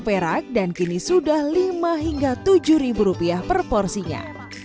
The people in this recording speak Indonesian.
perak dan kini sudah lima hingga tujuh ribu rupiah per porsinya